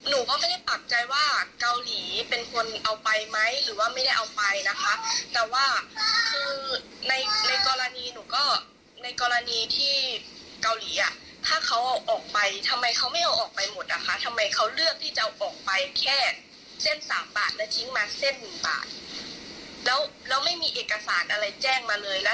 และทำไมการกรีดถึงเป็นการกรีดข้างกล่อง